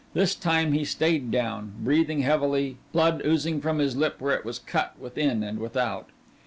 This time he stayed down, breathing heavily, blood oozing from his lip where it was cut within and without.